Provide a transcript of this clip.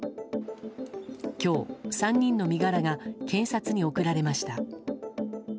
今日、３人の身柄が検察に送られました。